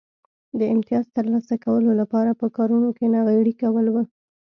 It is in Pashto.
د امیتاز ترلاسه کولو لپاره په کارونو کې ناغېړي کول و